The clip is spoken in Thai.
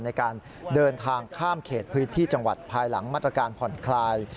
ในการเดินทางข้ามเขตพื้นที่จังหวัดภายหลังมาตรการผ่อนคลาย